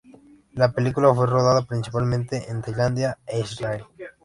La película fue rodada principalmente en Tailandia e Israel.